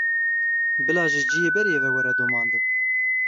Bila ji ciyê berê ve were domandin?